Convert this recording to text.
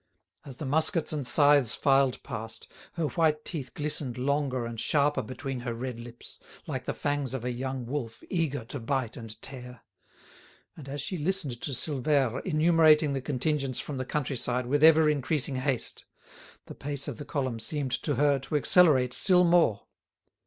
As the muskets and scythes filed past, her white teeth glistened longer and sharper between her red lips, like the fangs of a young wolf eager to bite and tear. And as she listened to Silvère enumerating the contingents from the country side with ever increasing haste, the pace of the column seemed to her to accelerate still more.